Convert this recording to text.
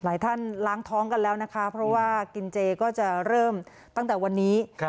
หลายท่านล้างท้องกันแล้วนะคะเพราะว่ากินเจก็จะเริ่มตั้งแต่วันนี้